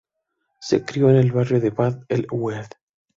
Se crio en el barrio de Bab El-Oued.